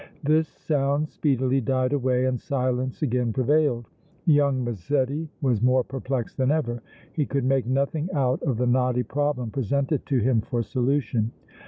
This sound speedily died away and silence again prevailed. Young Massetti was more perplexed than ever. He could make nothing out of the knotty problem presented to him for solution.